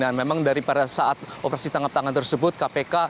dan memang dari pada saat operasi tangkap tangan tersebut kpk